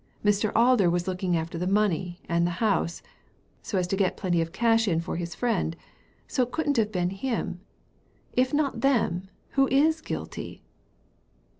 Mr. Alder was looking after the money and the house, so as to get plenty of cash in for his friend ; so it couldn't have been him. If not them, who is guilty